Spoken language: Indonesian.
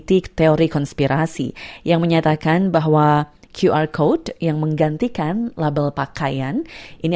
dan juga informasi yang tidak sesuai dengan kebenaran